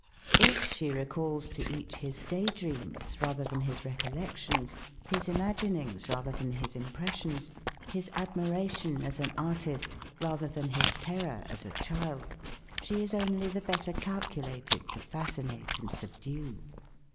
If she recalls to each his day dreams rather than his recollections, his imaginings rather than his impressions, his admiration as an artist rather than his terror as a child, she is only the better calculated to fascinate and subdue.